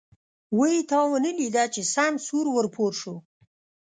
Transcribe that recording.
وی تا ونه ليده چې سم سور و پور شو.